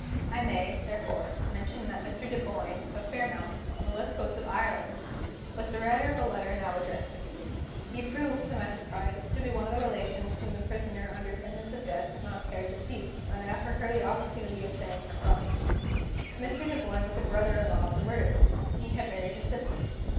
I may, therefore, mention that Mr. Dunboyne, of Fairmount, on the west coast of Ireland, was the writer of the letter now addressed to me. He proved, to my surprise, to be one of the relations whom the Prisoner under sentence of death had not cared to see, when I offered her the opportunity of saying farewell. Mr. Dunboyne was a brother in law of the murderess. He had married her sister.